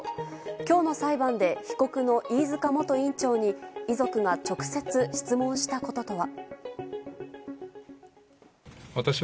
今日の裁判で被告の飯塚元院長に遺族が直接質問したこととは。